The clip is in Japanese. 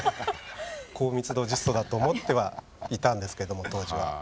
高密度実装だと思ってはいたんですけども当時は。